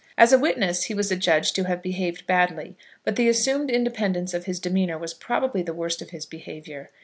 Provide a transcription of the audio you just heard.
As a witness he was adjudged to have behaved badly; but the assumed independence of his demeanour was probably the worst of his misbehaviour.